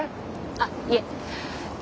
あっいえ。